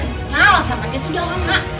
kenapa karena dia sudah lama